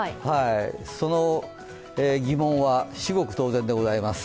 その疑問は、至極当然でございます